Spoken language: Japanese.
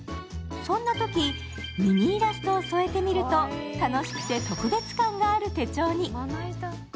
そんなときミニイラストを添えてみると、楽しくて特別感がある手帳に。